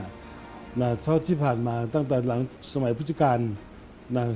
เพราะตั้งแต่ที่ผ่านมาหลังสมัยพกจุการณ์